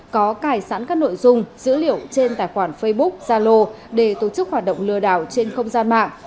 có cải sẵn các nội dung dữ liệu trên tài khoản facebook zalo để tổ chức hoạt động lừa đảo trên không gian mạng